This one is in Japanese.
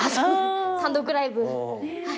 単独ライブ。